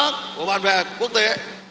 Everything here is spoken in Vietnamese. của bản vệ quốc tế